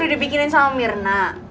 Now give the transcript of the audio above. udah dibikinin sama mirna